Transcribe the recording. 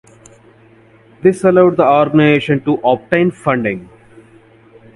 This allowed the organisation to obtain funding.